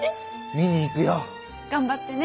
見に行くよ。頑張ってね。